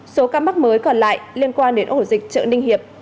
số ca mắc mới còn lại liên quan đến ổ dịch chợ ninh hiệp